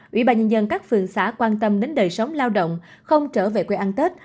ủy ban nhân dân các phường xã quan tâm đến đời sống lao động không trở về quê ăn tết